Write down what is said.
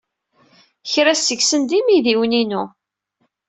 Kra seg-sen d imidiwen-inu.